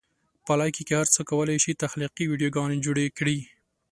په لایکي کې هر څوک کولی شي تخلیقي ویډیوګانې جوړې کړي.